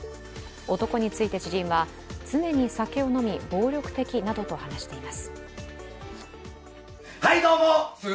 男について知人は常に酒を飲み暴力的などと話しています。